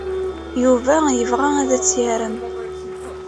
Yuba yebɣa ad tt-yarem.